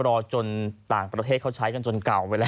รอจนต่างประเทศเขาใช้กันจนเก่าไปแล้ว